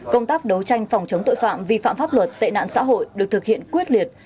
công tác đấu tranh phòng chống tội phạm vi phạm pháp luật tệ nạn xã hội được thực hiện quyết liệt